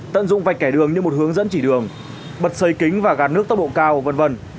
tận dụng vạch kẻ đường như một hướng dẫn chỉ đường bật xây kính và gạt nước tốc độ cao v v